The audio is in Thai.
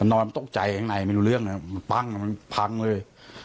นอนตกใจข้างในไม่รู้เรื่องนะมันปั้งมันพังเลย